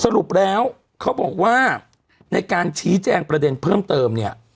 สรุปแล้วเขาบอกว่าในการชี้แจงประเด็นเพิ่มเติมเนี่ย